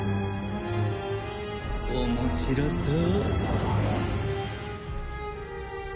面白そう。